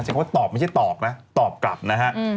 คำว่าตอบไม่ใช่ตอบนะตอบกลับนะฮะ